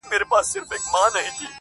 لوېدلی ستوری له مداره وځم,